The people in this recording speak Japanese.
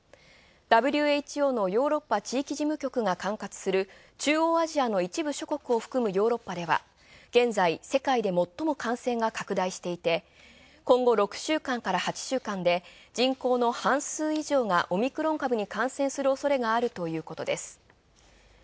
ＷＨＯのヨーロッパ地域事務局が管轄する中央アジアを含むヨーロッパでは現在、世界で最も感染が拡大していて、今後６週間から８週間で人口の半数以上がオミクロン株に感染する恐れがあるということです。